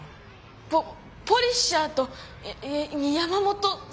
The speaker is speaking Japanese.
ポポリッシャーとや山本さん。